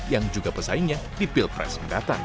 yang juga pesaingnya di pilpres mendatang